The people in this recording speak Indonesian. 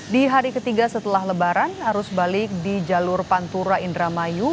di hari ketiga setelah lebaran arus balik di jalur pantura indramayu